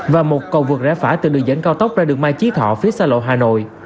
và một cầu vượt rẽ phải từ đường dẫn cao tốc ra đường mai chí thọ phía xa lộ hà nội